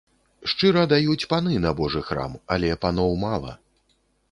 Шчыра даюць паны на божы храм, але паноў мала.